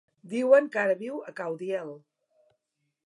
Diuen que ara viu a Caudiel.